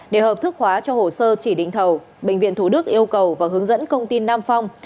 để hợp thức hóa cho hồ sơ chỉ định thầu bệnh viện thủ đức yêu cầu và hướng dẫn công ty nam phong